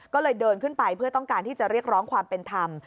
ก็เลยเดินขึ้นไปเพื่อต้องการที่จะเรียกร้องความเป็นธรรม